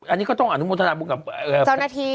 อันนี้ก็ต้องอนุโมทนาบุญกับเจ้าหน้าที่